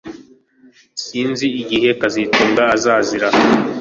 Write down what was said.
Sinzi igihe kazitunga azazira